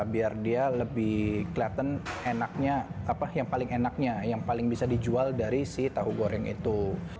biar dia lebih kelihatan enaknya apa yang paling enaknya yang paling bisa dijual dari si tahu goreng itu